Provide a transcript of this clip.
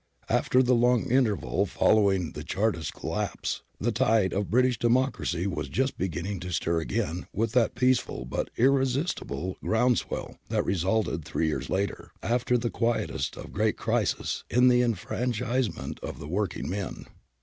.u f^?^"" 9^ ^''''^ interval following the Chartist collapse the tide of British Democracy was just beginning to stir 19 290 GARIBALDI AND THE MAKING OF ITALY again with that peaceful but irresistible ground swell that resulted three years later, after the quietest of great crises, in the enfranchisement of the working men.